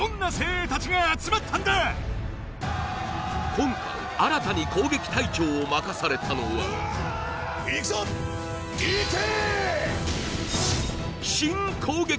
今回新たに攻撃隊長を任されたのはいくぞいけー！